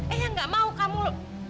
eh yang gak mau kamu